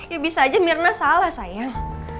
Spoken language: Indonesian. ya bisa aja mirna salah sayang